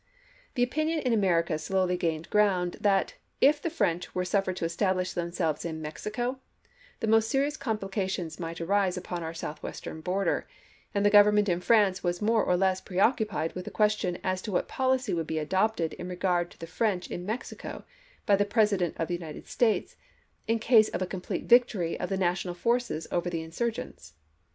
The opinion in DIPLOMACY OF 1862 63 America slowly gained ground that, if the French chap. hi. were suffered to establish themselves in Mexico, the most serious complications might arise upon our Southwestern border, and the Grovernment in France was more or less preoccupied with the question as to what policy would be adopted in regard to the French in Mexico, by the President of the United States, in case of a complete victory of the national forces over the insurgents.